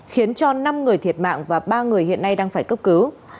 khiến cho năm người thiệt mạng và ba người hiện nay đang phải cấp cứu